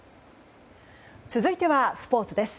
続いてはスポーツです。